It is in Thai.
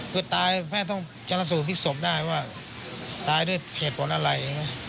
คือตายแม้ต้องการสูจน์พิษศพได้ว่าตายด้วยเหตุผลอะไร